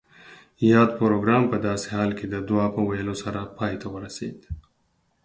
یاد پروګرام پۀ داسې حال کې د دعا پۀ ویلو سره پای ته ورسید